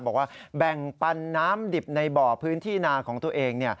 บอกว่าแบ่งปันน้ำดิบในบ่อพื้นที่นาของตัวเอง